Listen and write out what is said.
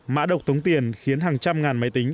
mã độc tống tiền khiến hàng trăm ngàn máy tính